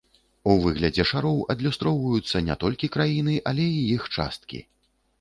У выглядзе шароў адлюстроўваюцца не толькі краіны, але і іх часткі.